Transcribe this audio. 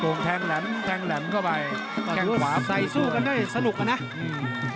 โกงแทงแหลมแทงแหลมเข้าไปใส่สู้กันได้สนุกกันนะอืม